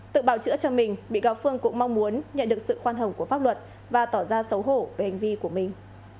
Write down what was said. tự bảo chữa cho mình bị cáo phương cũng mong muốn nhận được sự khoan hồng của pháp luật và tỏ ra xấu hổ về hành vi của mình